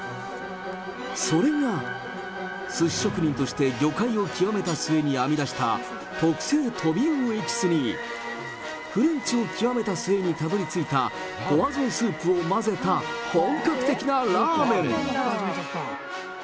それが、すし職人として魚介を極めたすえに編み出した特製トビウオエキスに、フレンチを極めた末にたどりついたポワゾンスープを混ぜた本格的なラーメン。